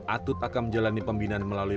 atut akan menjalani pembinaan melalui